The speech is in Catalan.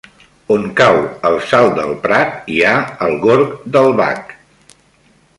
On cau el salt del Prat hi ha el gorg del Bac.